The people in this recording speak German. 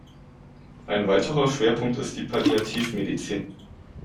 Ein weiterer Schwerpunkt ist die Palliativmedizin.